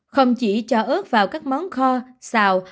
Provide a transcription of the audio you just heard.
không chỉ cho ớt vào các món kho xào